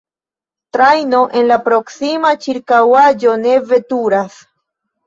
Trajno en la proksima ĉirkaŭaĵo ne veturas.